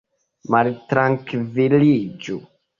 maltrankviliĝu